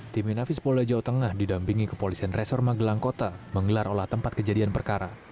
tim inafis polda jawa tengah didampingi kepolisian resor magelang kota menggelar olah tempat kejadian perkara